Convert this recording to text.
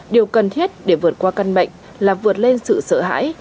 điều cần thiết để vượt qua căn bệnh là vượt lên sự sợ hãi